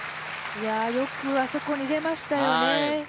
よくあそこに入れましたよね。